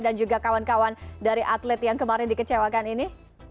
dan juga kawan kawan dari atlet yang kemarin dikecewakan ini